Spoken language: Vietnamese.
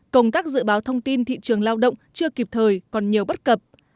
công tác dự báo thông tin thị trường lao động chưa kịp thời còn nhiều bất cập